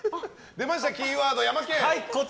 出ました、キーワードヤマケン！